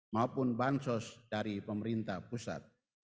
maupun bansos dari pemerintah pusat